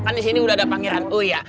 kan disini udah ada pangeran uya